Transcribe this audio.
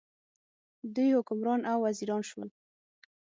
دوی حکمران او وزیران شول.